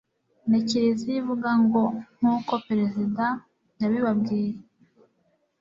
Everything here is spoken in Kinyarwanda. ni kiliziya ivuga ngo nk'uko perezida yabibabwiye